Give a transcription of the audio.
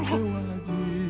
setiap aku setuju